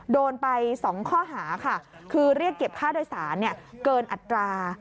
โดนไป๒ข้อหาค่ะคือเรียกเก็บค่าโดยสารเกินอัตรา